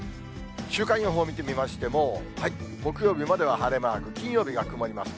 週間予報を見てみましても、木曜日までは晴れマーク、金曜日が曇りマーク。